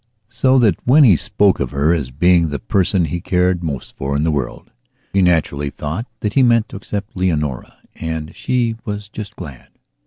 So that, when he spoke of her as being the person he cared most for in the world, she naturally thought that he meant to except Leonora and she was just glad.